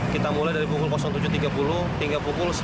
kita mulai dari pukul tujuh tiga puluh hingga pukul sepuluh